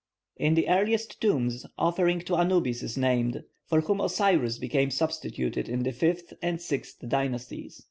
In the earliest tombs offering to Anubis is named, for whom Osiris became substituted in the fifth and sixth dynasties.